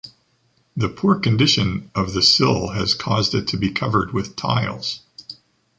The poor condition of the sill has caused it to be covered with tiles.